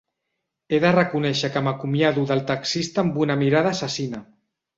He de reconèixer que m'acomiado del taxista amb una mirada assassina.